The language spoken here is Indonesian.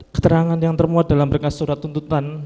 keterangan yang termuat dalam berkas surat tuntutan